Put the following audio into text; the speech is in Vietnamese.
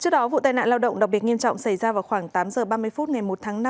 trước đó vụ tai nạn lao động đặc biệt nghiêm trọng xảy ra vào khoảng tám h ba mươi phút ngày một tháng năm